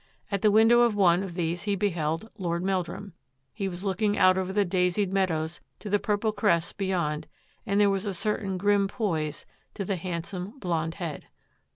At the window of one of these he beheld Lord Meldrum. He was looking out over the daisied meadows to the purple crests beyond and there was a certain grim poise to the hand some, blond head.